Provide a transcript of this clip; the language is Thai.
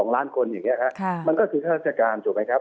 ๒ล้านคนอย่างเงี้ยครับมันก็คือทศการสุดไหมครับ